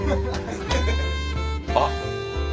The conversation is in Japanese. あっ！